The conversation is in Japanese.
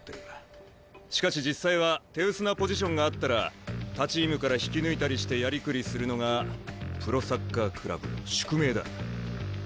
しかし実際は手薄なポジションがあったら他チームから引き抜いたりしてやりくりするのがプロサッカークラブの宿命だ。